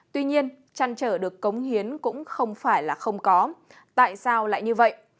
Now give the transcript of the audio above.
tuy nhiên trăn trở được cống hiến cũng không phải là không có tại sao lại như vậy